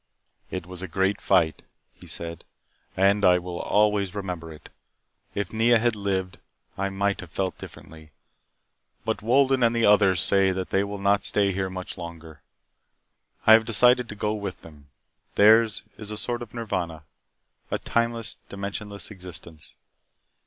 "It was a great fight," he said. "And I will always remember it. If Nea had lived, I might have felt differently. But Wolden and the others say that they will not stay here much longer. I have decided to go with them. Theirs is a sort of Nirvana, a timeless, dimensionless existence.